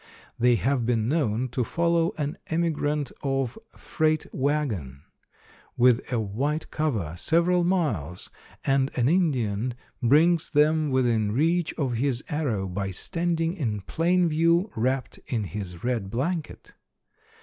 They have been known to follow an emigrant or freight wagon with a white cover several miles, and an Indian brings them within reach of his arrow by standing in plain view wrapped in his red blanket.